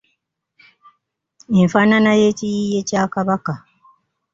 Enfaanana y’ekiyiiye kya Kabaka.